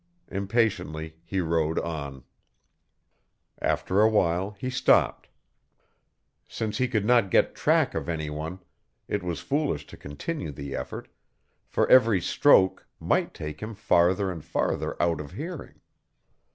Impatiently he rowed on. After a while he stopped. Since he could not get track of any one, it was foolish to continue the effort, for every stroke might take him farther and farther out of hearing.